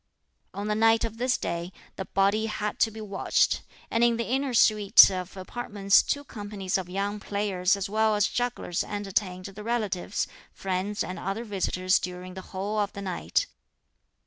On the night of this day, the body had to be watched, and in the inner suite of apartments two companies of young players as well as jugglers entertained the relatives, friends and other visitors during the whole of the night.